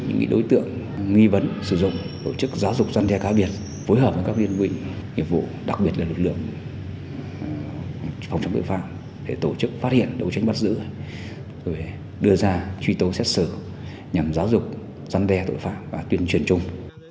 nhi vấn sử dụng tổ chức giáo dục dân đe cao biệt phối hợp với các liên minh nhiệm vụ đặc biệt là lực lượng phòng trọng tội phạm để tổ chức phát hiện đấu tranh bắt giữ đưa ra truy tố xét xử nhằm giáo dục dân đe tội phạm và tuyên truyền chung